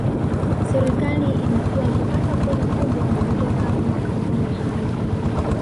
Serikali imekuwa ikipata kodi kubwa kutoka kwa makampuni hayo